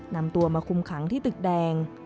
นำตัวมาคุมขังที่ตึกแดง